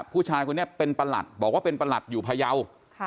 ผู้ชายคนนี้เป็นประหลัดบอกว่าเป็นประหลัดอยู่พยาว